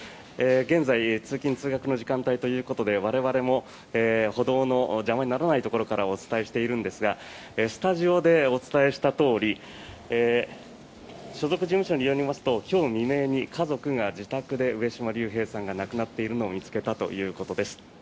現在、通勤・通学の時間帯ということで我々も歩道の邪魔にならないところからお伝えしているんですがスタジオでお伝えしたとおり所属事務所によりますと今日未明に家族が自宅で上島竜兵さんが亡くなっているのを見つけたということです。